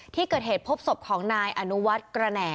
ที่เกิดเหตุพบศพของนายอนุวัฒน์กระแหน่